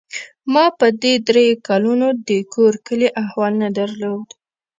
ما په دې درېو کلونو د کور کلي احوال نه درلود.